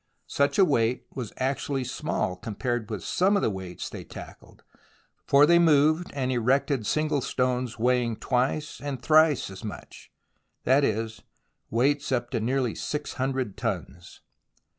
Such a weight was actually small compared with some of the weights they tackled, for they moved and erected single stones weighing twice and thrice as much, that is weights up to nearly 600 tons.